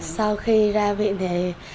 sau khi ra bệnh thì